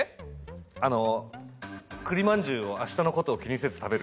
あの栗まんじゅうを明日のことを気にせず食べる。